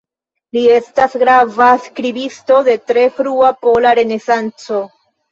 Li estas grava skribisto de tre frua pola renesanco.